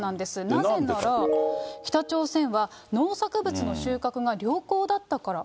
なぜなら、北朝鮮は農作物の収穫が良好だったから。